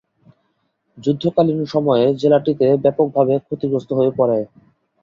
যুদ্ধকালীন সময়ে জেলাটিতে ব্যাপকভাবে ক্ষতিগ্রস্ত হয়ে পড়ে।